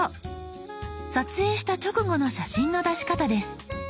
撮影した直後の写真の出し方です。